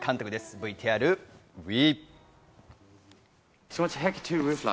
ＶＴＲＷＥ！